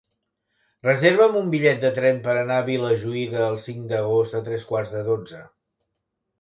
Reserva'm un bitllet de tren per anar a Vilajuïga el cinc d'agost a tres quarts de dotze.